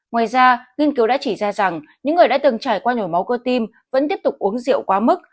ngoài ra nghiên cứu đã chỉ ra rằng những người đã từng trải qua nhồi máu cơ tim vẫn tiếp tục uống rượu quá mức